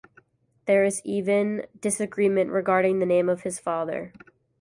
There is even disagreement regarding the name of his father.